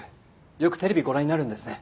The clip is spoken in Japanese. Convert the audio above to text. よくテレビご覧になるんですね。